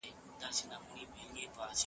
ایا په مریخ کې اوبه شته؟